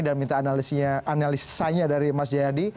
dan minta analisanya dari mas jayani